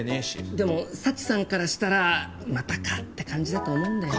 でも佐知さんからしたらまたかって感じだと思うんだよね。